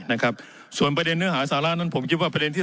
นะครับส่วนประเด็นเนื้อหาสาระนั้นผมคิดว่าประเด็นที่